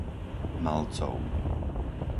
Malcov